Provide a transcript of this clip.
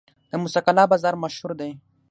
د موسی قلعه بازار مشهور دی